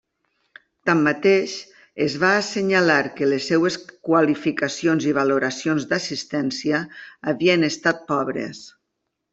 Tanmateix, es va assenyalar que les seves qualificacions i valoracions d'assistència havien estat pobres.